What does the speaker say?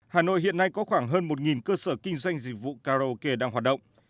hà nội hiện nay có khoảng hơn một cơ sở kinh doanh dịch vụ karaoke đang hoạt động